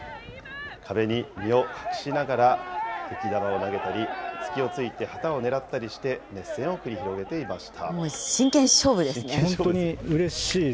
壁に身を隠しながら、雪球を投げたり、隙をついて旗を狙ったりして熱戦を繰り広げていました。